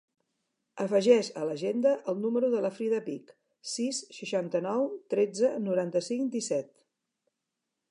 Afegeix a l'agenda el número de la Frida Vich: sis, seixanta-nou, tretze, noranta-cinc, disset.